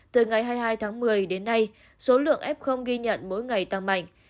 từ ngày hai mươi hai tháng một mươi đến nay số lượng f ghi nhận mỗi ngày tăng mạnh